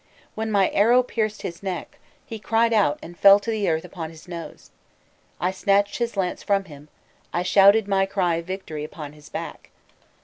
When my arrow pierced his neck, he cried out and fell to the earth upon his nose; I snatched his lance from him, I shouted my cry of victory upon his back.